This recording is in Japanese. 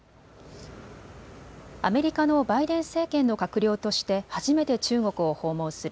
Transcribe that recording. アメリカのバイデン政権の閣僚として初めて中国を訪問する